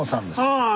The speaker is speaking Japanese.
ああ